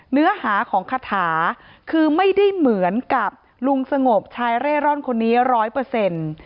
เนื้อหาของคาถาคือไม่ได้เหมือนกับลุงสงบชายเร่ร่อนคนนี้ร้อยเปอร์เซ็นต์